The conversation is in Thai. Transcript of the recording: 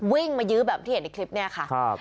วิ่งมายื้อแบบที่เห็นในคลิปนี้ค่ะ